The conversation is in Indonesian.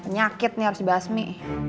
nyakit nih harus dibahas mi